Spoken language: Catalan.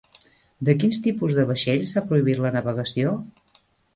De quins tipus de vaixells s'ha prohibit la navegació?